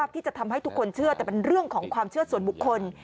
ที่จะทำให้ทุกคนเชื่อแต่เป็นเรื่องของความเชื่อส่วนบุคคล